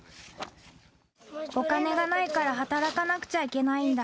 お金がないから働かなくちゃいけないんだ。